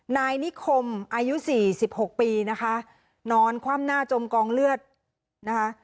นายนิคมอายุสี่สิบหกปีนะคะนอนคว่ำหน้าจมกองเลือดนะคะ